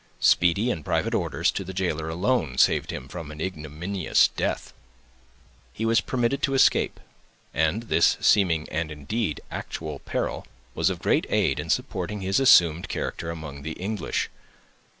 Speedy and private orders to the jailer alone saved him from an ignominious death. He was permitted to escape; and this seeming and indeed actual peril was of great aid in supporting his assumed character among the English.